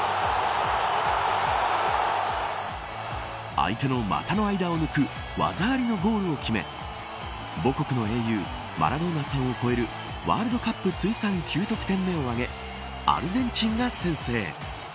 相手の股の間を抜く技ありのゴールを決め母国の英雄マラドーナさんを超えるワールドカップ通算９得点目を挙げアルゼンチンが先制。